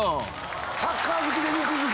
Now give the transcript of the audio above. サッカー好きで肉好き？